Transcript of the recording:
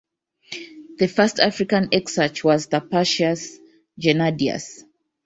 The first African exarch was the "patricius" Gennadius.